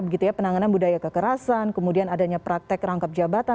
begitu ya penanganan budaya kekerasan kemudian adanya praktek rangkap jabatan